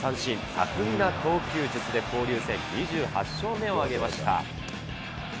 巧みな投球術で交流戦２８勝目を挙げました。